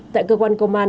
tại cơ quan công an